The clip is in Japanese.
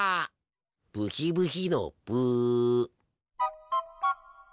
ブヒブヒのブ。